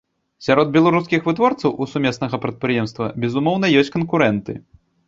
Сярод беларускіх вытворцаў у сумеснага прадпрыемства, безумоўна, ёсць канкурэнты.